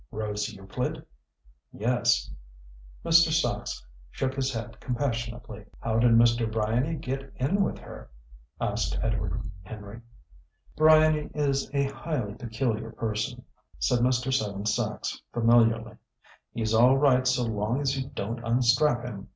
"Rose Euclid?" "Yes." Mr. Sachs shook his head compassionately. "How did Mr. Bryany get in with her?" asked Edward Henry. "Bryany is a highly peculiar person," said Mr. Seven Sachs familiarly. "He's all right so long as you don't unstrap him.